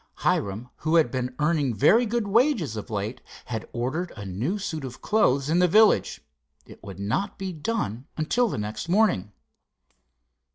Hiram, who had been earning very good wages of late, had ordered a new suit of clothes in the village. It would not be done until the next morning.